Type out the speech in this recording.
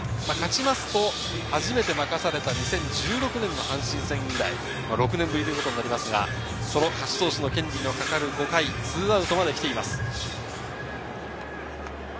勝ちますと、初めて任された２０１６年の阪神戦以来、６年ぶりということになりますが、その勝ち投手の権利のかかる５回、２アウトまで来ています。